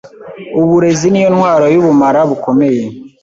Uburezi niyo ntwaro y’ubumara bukomeye